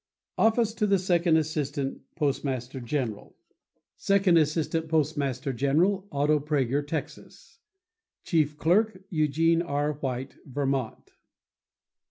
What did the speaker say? OFFICE OF THE SECOND ASSISTANT POSTMASTER GENERAL Second Assistant Postmaster General.—Otto Praeger, Texas. Chief Clerk.—Eugene R. White, Vermont.